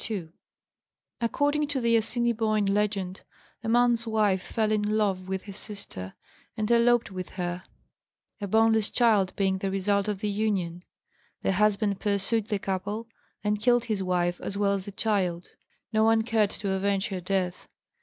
According to the Assiniboine legend, a man's wife fell in love with his sister and eloped with her, a boneless child being the result of the union; the husband pursued the couple, and killed his wife as well as the child; no one cared to avenge her death.